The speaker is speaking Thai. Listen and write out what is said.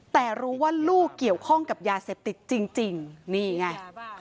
แต่รู้ว่าลูกเกี่ยวข้องกับยาเสพติดจริงนี่ไง